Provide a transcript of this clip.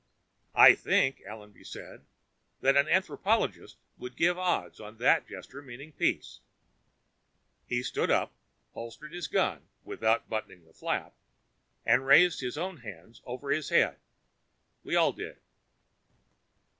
"I think," Allenby said, "that an anthropologist would give odds on that gesture meaning peace." He stood up, holstered his gun without buttoning the flap and raised his own hands over his head. We all did.